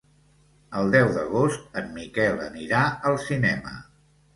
El deu d'agost en Miquel anirà al cinema.